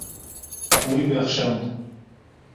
Wî bexşand.